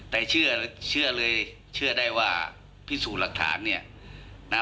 แต่เชื่อเลยเชื่อได้ว่าพิสูจน์หลักฐานเนี่ยนะ